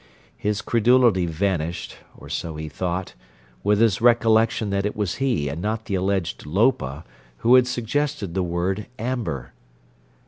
His credulity vanished (or so he thought) with his recollection that it was he, and not the alleged "Lopa," who had suggested the word "amber."